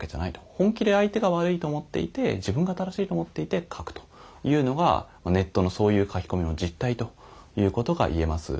本気で相手が悪いと思っていて自分が正しいと思っていて書くというのがネットのそういう書き込みの実態ということが言えます。